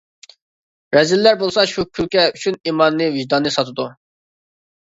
رەزىللەر بولسا شۇ كۈلكە ئۈچۈن ئىمانىنى، ۋىجدانىنى ساتىدۇ.